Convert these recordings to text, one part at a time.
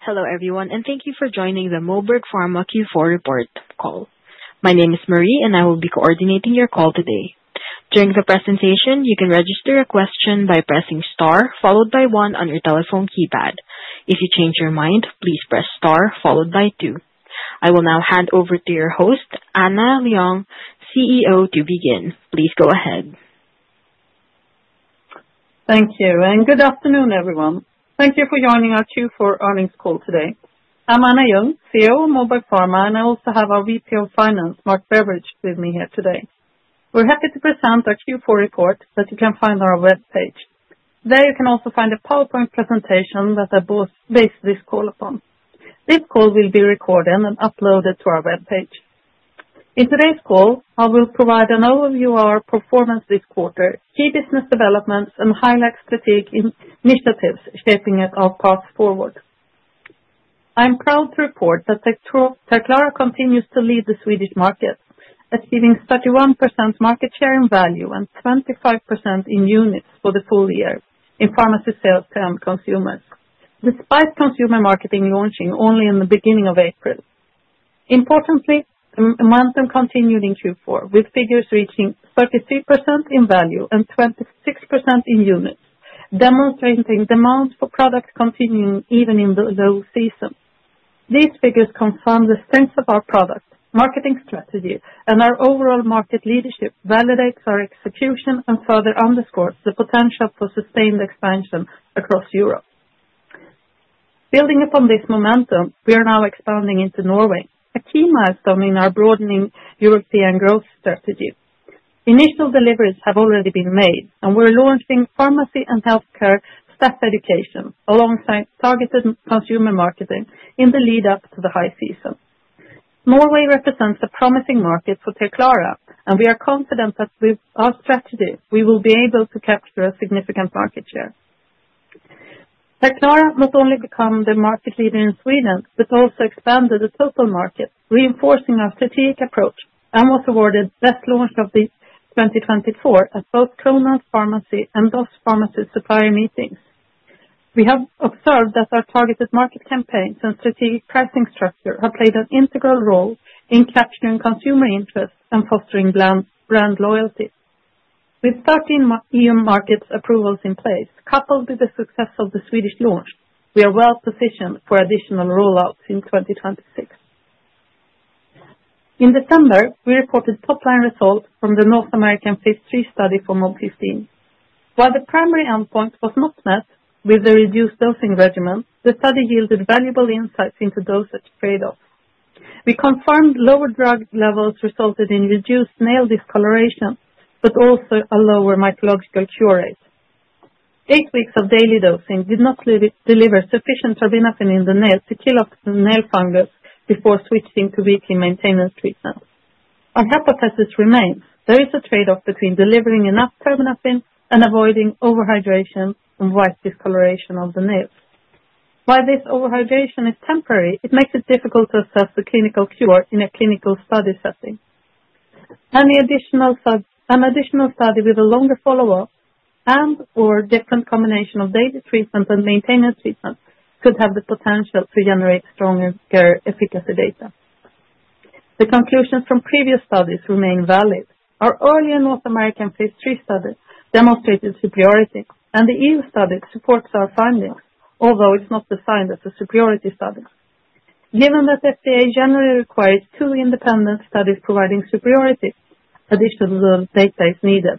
Hello everyone, and thank you for joining the Moberg Pharma Q4 Report call. My name is Marie, and I will be coordinating your call today. During the presentation, you can register a question by pressing star followed by one on your telephone keypad. If you change your mind, please press star followed by two. I will now hand over to your host, Anna Ljung, CEO, to begin. Please go ahead. Thank you, and good afternoon everyone. Thank you for joining our Q4 earnings call today. I'm Anna Ljung, CEO of Moberg Pharma, and I also have our VP of Finance, Mark Beveridge, with me here today. We're happy to present our Q4 report that you can find on our webpage. There you can also find a PowerPoint presentation that I both base this call upon. This call will be recorded and uploaded to our webpage. In today's call, I will provide an overview of our performance this quarter, key business developments, and highlight strategic initiatives shaping our path forward. I'm proud to report that Terclara continues to lead the Swedish market, achieving 31% market share in value and 25% in units for the full year in pharmacy sales to end consumers, despite consumer marketing launching only in the beginning of April. Importantly, the momentum continued in Q4, with figures reaching 33% in value and 26% in units, demonstrating demand for product continuing even in the low season. These figures confirm the strength of our product, marketing strategy, and our overall market leadership validates our execution and further underscores the potential for sustained expansion across Europe. Building upon this momentum, we are now expanding into Norway, a key milestone in our broadening European growth strategy. Initial deliveries have already been made, and we're launching pharmacy and healthcare staff education alongside targeted consumer marketing in the lead-up to the high season. Norway represents a promising market for Terclara, and we are confident that with our strategy, we will be able to capture a significant market share. Terclara not only became the market leader in Sweden but also expanded the total market, reinforcing our strategic approach and was awarded Best Launch of 2024 at both Kronans Pharmacy and DOZ Pharmacy Supplier meetings. We have observed that our targeted market campaigns and strategic pricing structure have played an integral role in capturing consumer interest and fostering brand loyalty. With 13 EU market approvals in place, coupled with the success of the Swedish launch, we are well positioned for additional rollouts in 2026. In December, we reported top-line results from the North American Phase III study for MOB-015. While the primary endpoint was not met with the reduced dosing regimen, the study yielded valuable insights into dosage trade-offs. We confirmed lower drug levels resulted in reduced nail discoloration but also a lower mycological cure rate. Eight weeks of daily dosing did not deliver sufficient terbinafine in the nail to kill off the nail fungus before switching to weekly maintenance treatment. Our hypothesis remains there is a trade-off between delivering enough terbinafine and avoiding overhydration and white discoloration of the nails. While this overhydration is temporary, it makes it difficult to assess the clinical cure in a clinical study setting. An additional study with a longer follow-up and/or different combination of daily treatment and maintenance treatment could have the potential to generate stronger efficacy data. The conclusions from previous studies remain valid. Our earlier North American Phase III study demonstrated superiority, and the EU study supports our findings, although it's not defined as a superiority study. Given that FDA generally requires two independent studies providing superiority, additional data is needed.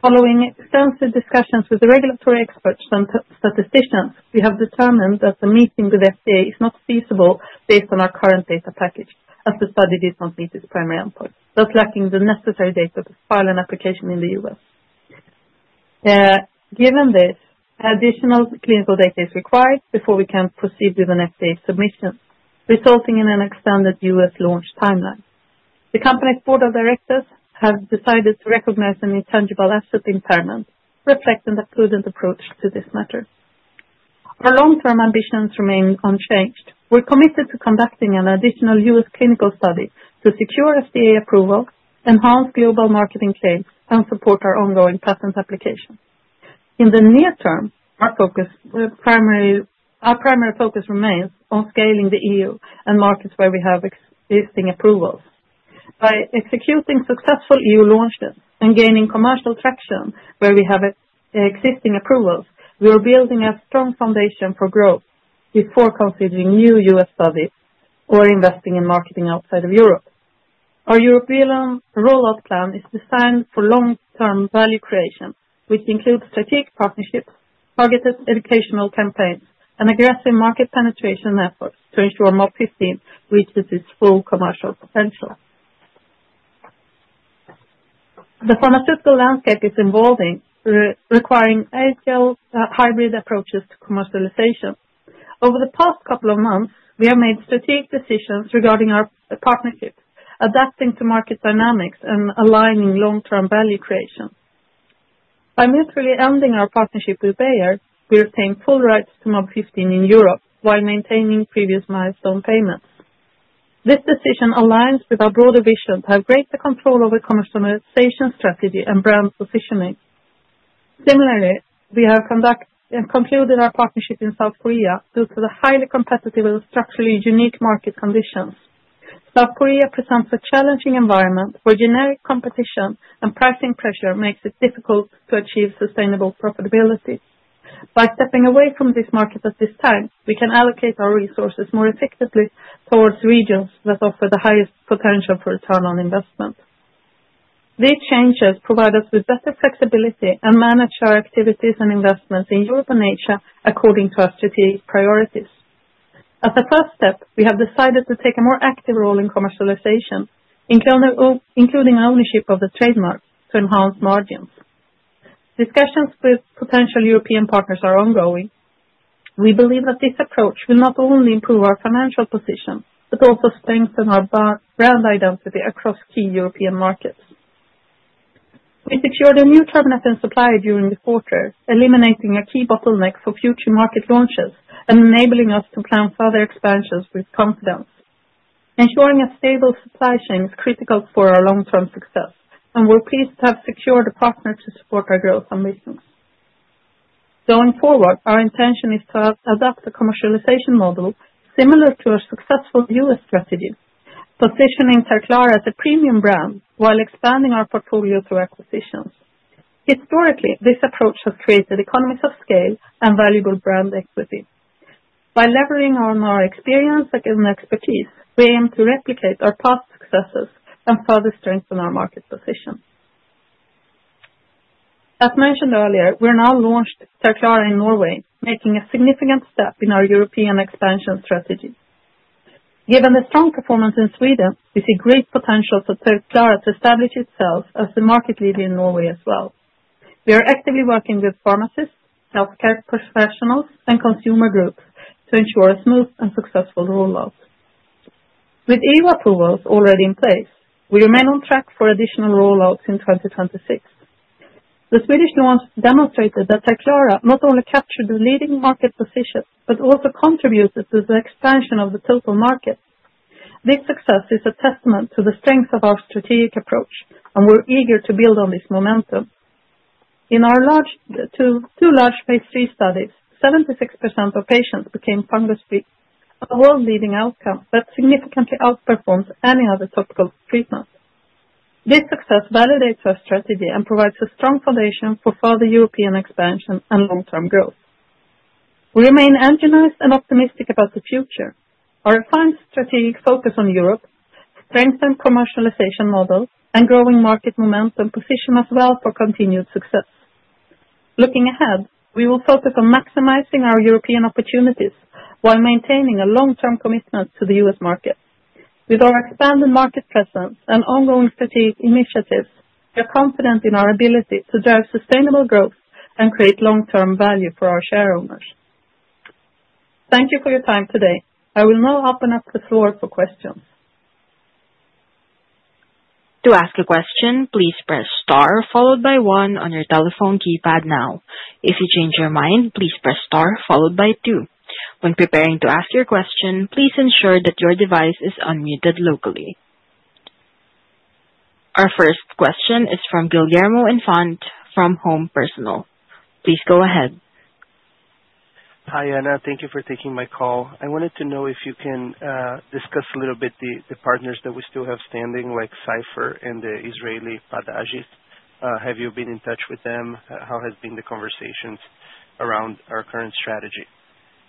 Following extensive discussions with the regulatory experts and statisticians, we have determined that the meeting with FDA is not feasible based on our current data package, as the study did not meet its primary endpoint, thus lacking the necessary data to file an application in the U.S. Given this, additional clinical data is required before we can proceed with an FDA submission, resulting in an extended U.S. launch timeline. The company's board of directors has decided to recognize an intangible asset impairment reflecting a prudent approach to this matter. Our long-term ambitions remain unchanged. We're committed to conducting an additional U.S. clinical study to secure FDA approval, enhance global marketing claims, and support our ongoing patent application. In the near term, our primary focus remains on scaling the EU and markets where we have existing approvals. By executing successful EU launches and gaining commercial traction where we have existing approvals, we are building a strong foundation for growth before considering new U.S. studies or investing in marketing outside of Europe. Our European rollout plan is designed for long-term value creation, which includes strategic partnerships, targeted educational campaigns, and aggressive market penetration efforts to ensure MOB-015 reaches its full commercial potential. The pharmaceutical landscape is evolving, requiring agile hybrid approaches to commercialization. Over the past couple of months, we have made strategic decisions regarding our partnership, adapting to market dynamics and aligning long-term value creation. By mutually ending our partnership with Bayer, we retain full rights to MOB-015 in Europe while maintaining previous milestone payments. This decision aligns with our broader vision to have greater control over commercialization strategy and brand positioning. Similarly, we have concluded our partnership in South Korea due to the highly competitive and structurally unique market conditions. South Korea presents a challenging environment where generic competition and pricing pressure makes it difficult to achieve sustainable profitability. By stepping away from this market at this time, we can allocate our resources more effectively towards regions that offer the highest potential for return on investment. These changes provide us with better flexibility and manage our activities and investments in Europe and Asia according to our strategic priorities. As a first step, we have decided to take a more active role in commercialization, including ownership of the trademark, to enhance margins. Discussions with potential European partners are ongoing. We believe that this approach will not only improve our financial position but also strengthen our brand identity across key European markets. We secured a new terbinafine supplier during the quarter, eliminating a key bottleneck for future market launches and enabling us to plan further expansions with confidence. Ensuring a stable supply chain is critical for our long-term success, and we're pleased to have secured a partner to support our growth and business. Going forward, our intention is to adopt a commercialization model similar to our successful U.S. strategy, positioning Terclara as a premium brand while expanding our portfolio through acquisitions. Historically, this approach has created economies of scale and valuable brand equity. By leveraging our experience and expertise, we aim to replicate our past successes and further strengthen our market position. As mentioned earlier, we're now launching Terclara in Norway, making a significant step in our European expansion strategy. Given the strong performance in Sweden, we see great potential for Terclara to establish itself as the market leader in Norway as well. We are actively working with pharmacists, healthcare professionals, and consumer groups to ensure a smooth and successful rollout. With EU approvals already in place, we remain on track for additional rollouts in 2026. The Swedish launch demonstrated that Terclara not only captured a leading market position but also contributed to the expansion of the total market. This success is a testament to the strength of our strategic approach, and we're eager to build on this momentum. In our two large Phase III studies, 76% of patients became fungus-free, a world-leading outcome that significantly outperformed any other topical treatment. This success validates our strategy and provides a strong foundation for further European expansion and long-term growth. We remain energized and optimistic about the future. Our refined strategic focus on Europe, strengthened commercialization model, and growing market momentum position us well for continued success. Looking ahead, we will focus on maximizing our European opportunities while maintaining a long-term commitment to the U.S. market. With our expanded market presence and ongoing strategic initiatives, we are confident in our ability to drive sustainable growth and create long-term value for our shareholders. Thank you for your time today. I will now open up the floor for questions. To ask a question, please press star followed by one on your telephone keypad now. If you change your mind, please press star followed by two. When preparing to ask your question, please ensure that your device is unmuted locally. Our first question is from Guillermo Infante from Cowen & Company. Please go ahead. Hi, Anna. Thank you for taking my call. I wanted to know if you can discuss a little bit the partners that we still have standing, like Cipher and the Israeli Padagis. Have you been in touch with them? How have been the conversations around our current strategy?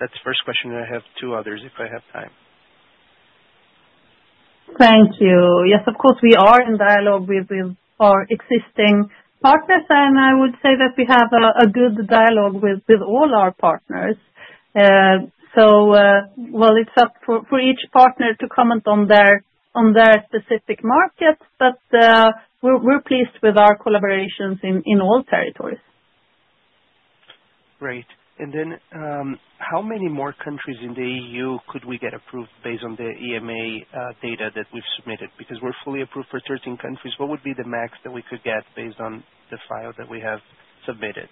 That's the first question, and I have two others if I have time. Thank you. Yes, of course, we are in dialogue with our existing partners, and I would say that we have a good dialogue with all our partners. It is up for each partner to comment on their specific market, but we're pleased with our collaborations in all territories. Great. How many more countries in the EU could we get approved based on the EMA data that we've submitted? Because we're fully approved for 13 countries, what would be the max that we could get based on the file that we have submitted?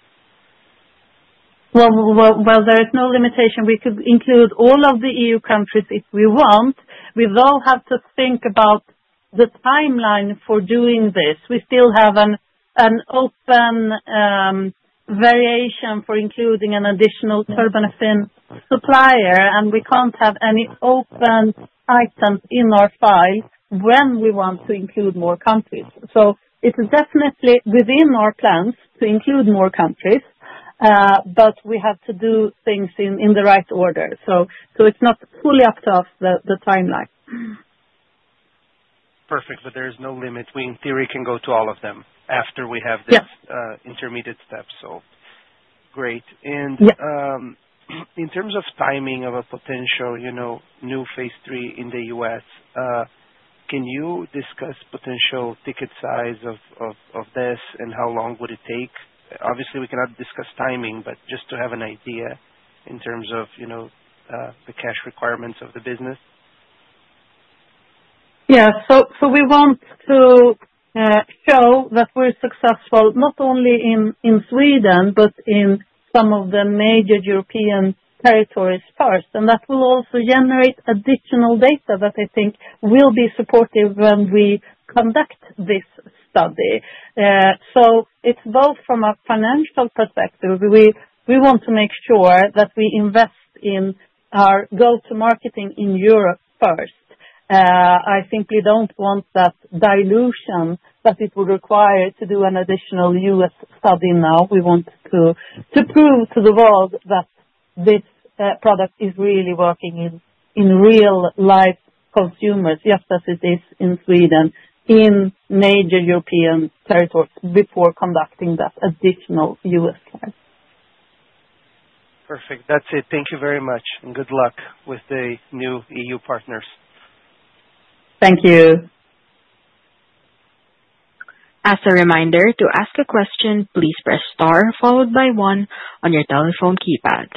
There is no limitation. We could include all of the EU countries if we want. We've all had to think about the timeline for doing this. We still have an open variation for including an additional terbinafine supplier, and we can't have any open items in our file when we want to include more countries. It is definitely within our plans to include more countries, but we have to do things in the right order. It is not fully up to us the timeline. Perfect. There is no limit. We, in theory, can go to all of them after we have this intermediate step. Great. In terms of timing of a potential new phase III in the U.S., can you discuss potential ticket size of this and how long would it take? Obviously, we cannot discuss timing, but just to have an idea in terms of the cash requirements of the business. Yes. We want to show that we're successful not only in Sweden but in some of the major European territory sparks, and that will also generate additional data that I think will be supportive when we conduct this study. It is both from a financial perspective. We want to make sure that we invest in our go-to-marketing in Europe first. I simply don't want that dilution that it would require to do an additional U.S. study now. We want to prove to the world that this product is really working in real-life consumers, just as it is in Sweden in major European territories before conducting that additional U.S. study. Perfect. That's it. Thank you very much, and good luck with the new EU partners. Thank you. As a reminder, to ask a question, please press star followed by one on your telephone keypad.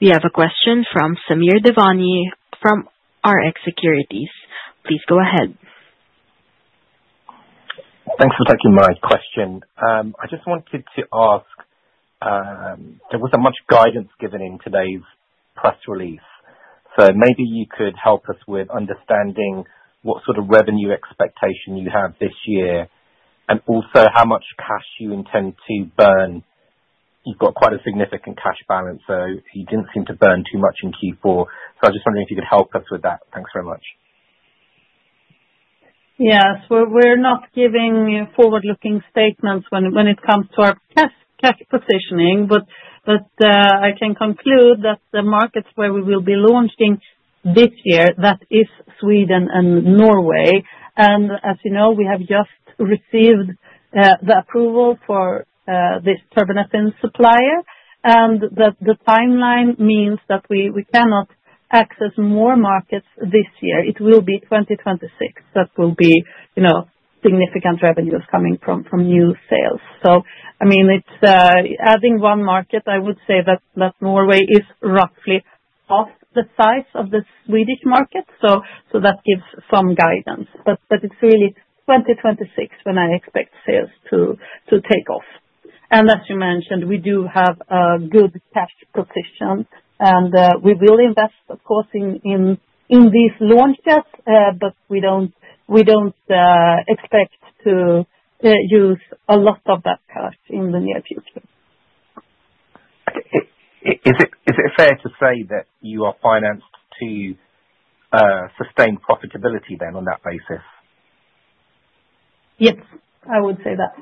We have a question from Samir Devani from Rx Securities. Please go ahead. Thanks for taking my question. I just wanted to ask, there was not much guidance given in today's press release. Maybe you could help us with understanding what sort of revenue expectation you have this year and also how much cash you intend to burn. You have got quite a significant cash balance, so you did not seem to burn too much in Q4. I was just wondering if you could help us with that. Thanks very much. Yes. We're not giving forward-looking statements when it comes to our cash positioning, but I can conclude that the markets where we will be launching this year are Sweden and Norway. As you know, we have just received the approval for this terbinafine supplier, and the timeline means that we cannot access more markets this year. It will be 2026 that will be significant revenues coming from new sales. I mean, adding one market, I would say that Norway is roughly half the size of the Swedish market, so that gives some guidance. It's really 2026 when I expect sales to take off. As you mentioned, we do have a good cash position, and we will invest, of course, in these launches, but we don't expect to use a lot of that cash in the near future. Is it fair to say that you are financed to sustain profitability then on that basis? Yes, I would say that.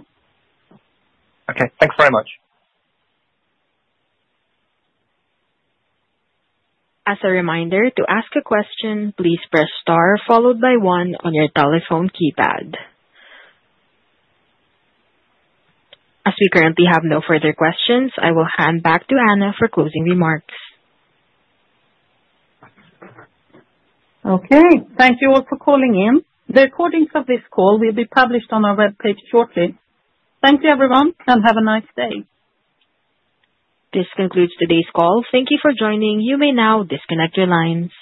Okay. Thanks very much. As a reminder, to ask a question, please press star followed by one on your telephone keypad. As we currently have no further questions, I will hand back to Anna for closing remarks. Okay. Thank you all for calling in. The recordings of this call will be published on our web page shortly. Thank you, everyone, and have a nice day. This concludes today's call. Thank you for joining. You may now disconnect your lines.